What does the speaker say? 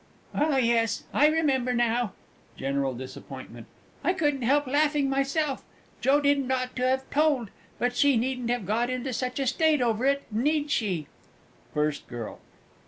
Oh, yes, I remember now. (General disappointment.) I couldn't help laughing myself. Joe didn't ought to have told but she needn't have got into such a state over it, need she? FIRST GIRL.